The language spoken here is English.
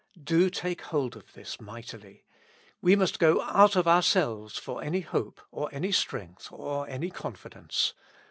Do take hold of this mightily. We must go out of our selves for any hope, or any strength, or any confi dence.